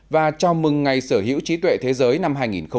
và chào mừng ngày sở hữu trí tuệ thế giới năm hai nghìn một mươi chín